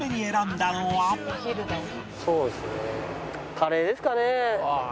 カレーですかね。